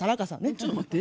ちょっと待って。